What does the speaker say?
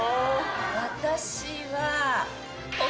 私は。